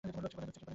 সে কোথায় যাচ্ছে?